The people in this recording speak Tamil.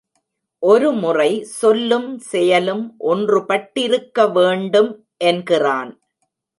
ஒருமுறை சொல்லும் செயலும் ஒன்றுபட்டிருக்க வேண்டும் என்கிறான்.